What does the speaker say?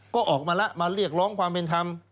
ก็ออกมาแล้วมาเรียกร้องความเป็นธรรม